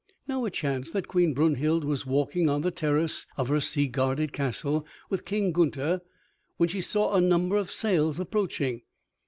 Now it chanced that Queen Brunhild was walking on the terrace of her sea guarded castle with King Gunther when she saw a number of sails approaching.